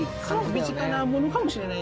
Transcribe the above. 身近なものかもしれない。